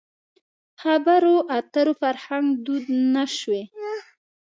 خبرو اترو فرهنګ دود نه شوی.